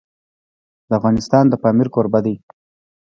افغانستان د پامیر کوربه دی.